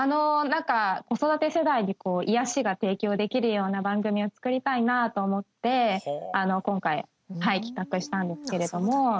子育て世代に癒やしが提供できるような番組を作りたいなと思って今回はい、企画したんですけれども。